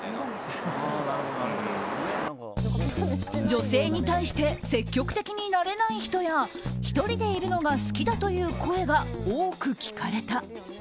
女性に対して積極的になれない人や１人でいるのが好きだという声が多く聞かれた。